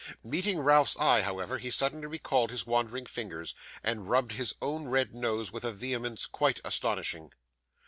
Meeting Ralph's eye, however, he suddenly recalled his wandering fingers, and rubbed his own red nose with a vehemence quite astonishing.